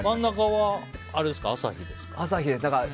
朝日です。